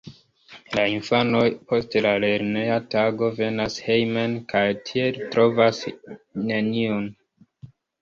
La infanoj post la lerneja tago venas hejmen kaj tie trovas neniun.